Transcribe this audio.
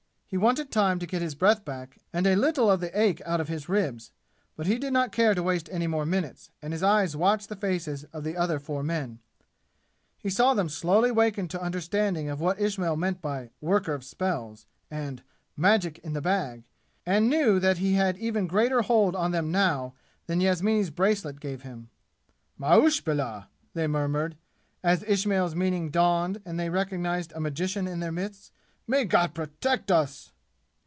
He wanted time to get his breath back and a little of the ache out of his ribs, but he did not care to waste any more minutes, and his eyes watched the faces of the other four men. He saw them slowly waken to understanding of what Ismail meant by "worker of spells" and "magic in the bag" and knew that he had even greater hold on them now than Yasmini's bracelet gave him. "Ma'uzbillah!" they murmured as Ismail's meaning dawned and they recognized a magician in their midst. "May God protect us!"